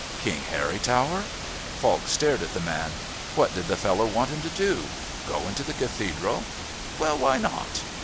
"King Harry Tower?..." Falk stared at the man. What did the fellow want him to do? Go into the Cathedral? Well, why not?